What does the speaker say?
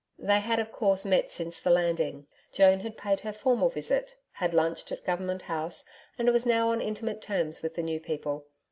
They had of course met since the Landing. Joan had paid her formal visit, had lunched at Government House, and was now on intimate terms with the new people.